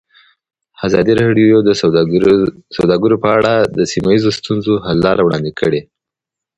ازادي راډیو د سوداګري په اړه د سیمه ییزو ستونزو حل لارې راوړاندې کړې.